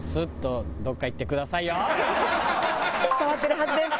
伝わってるはずです。